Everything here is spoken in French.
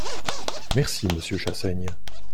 Merci, monsieur Chassaigne.